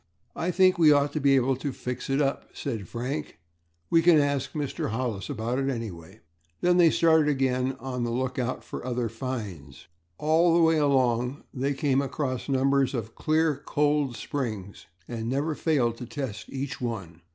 "I should think we ought to be able to fix it up," said Frank. "We can ask Mr. Hollis about it anyway." Then they started again, on the lookout for other finds. All the way along they came across numbers of clear, cold springs and never failed to test each one.